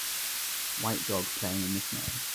White dog playing in the snow.